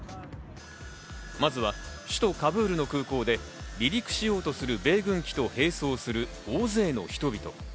まずは首都カブールの空港で離陸しようとする米軍機と並走する大勢の人々。